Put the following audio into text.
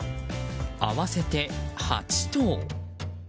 合わせて８頭。